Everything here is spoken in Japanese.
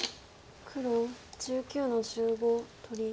黒１９の十五取り。